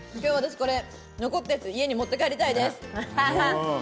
これ残ったやつ、家に持って帰りたいです。